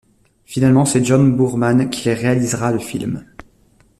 Finalement c'est John Boorman qui réalisera le film.